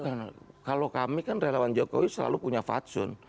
karena kalau kami kan relawan jokowi selalu punya fatsun